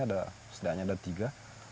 ada setidaknya ada tiga